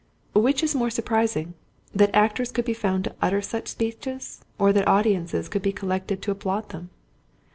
Which is the more surprising—that actors could be found to utter such speeches, or that audiences could be collected to applaud them?